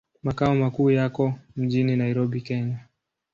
Makao makuu yako mjini Nairobi, Kenya.